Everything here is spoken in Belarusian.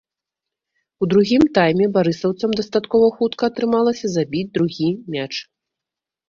У другім тайме барысаўцам дастаткова хутка атрымалася забіць другі мяч.